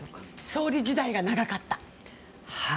総理時代が長かった！